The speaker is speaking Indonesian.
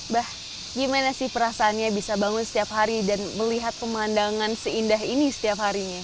bah gimana sih perasaannya bisa bangun setiap hari dan melihat pemandangan seindah ini setiap harinya